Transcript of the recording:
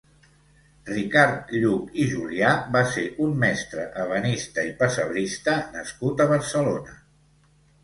Ricard Lluch i Julià va ser un mestre ebenista i pessebrista nascut a Barcelona.